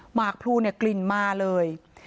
หมากพลูกลิ่นมาเลย